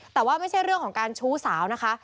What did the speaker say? แต่ว่าไม่ใช่เรื่องของการชู้สาวนะคะ